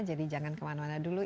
jadi jangan kemana mana dulu